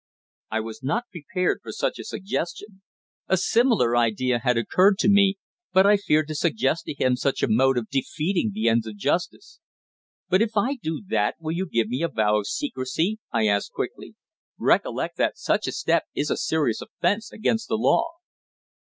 I was not prepared for such a suggestion. A similar idea had occurred to me, but I feared to suggest to him such a mode of defeating the ends of justice. "But if I do that will you give me a vow of secrecy?" I asked, quickly. "Recollect that such a step is a serious offence against the law."